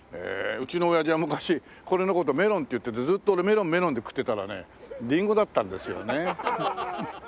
うちのおやじは昔これの事メロンって言っててずっと俺メロンメロンで食ってたらねリンゴだったんですよね。